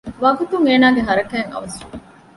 ވަގުތުން އޭނާގެ ހަރަކާތް އަވަސްވި